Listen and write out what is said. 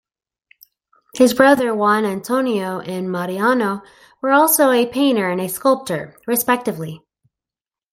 His brothers Juan Antonio and Mariano were also a painter and a sculptor, respectively.